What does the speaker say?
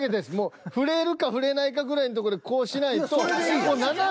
触れるか触れないかぐらいのとこでこうしないと。